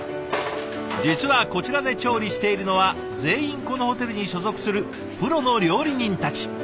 実はこちらで調理しているのは全員このホテルに所属するプロの料理人たち。